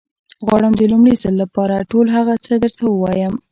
غواړم د لومړي ځل لپاره ټول هغه څه درته ووايم.